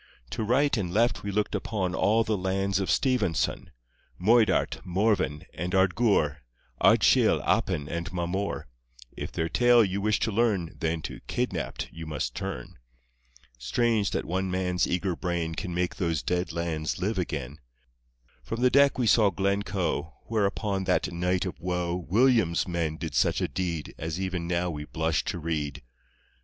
To right and left we looked upon All the lands of Stevenson — Moidart, Morven, and Ardgour, Ardshiel, Appin, and Mamore — If their tale you wish to learn Then to "Kidnapped" you must turn. Strange that one man's eager brain Can make those dead lands live again! From the deck we saw Glencoe, Where upon that night of woe William's men did such a deed As even now we blush to read.